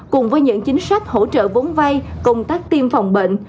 cùng với những chính sách hỗ trợ vốn vay công tác tiêm phòng bệnh